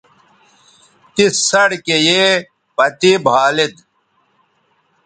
تس سڑکے یے پتے بھالید